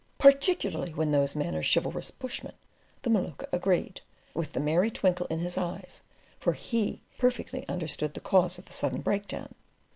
"Particularly when those men are chivalrous bushmen," the Maluka agreed, with the merry twinkle in his eyes; for he perfectly understood the cause of the sudden breakdown.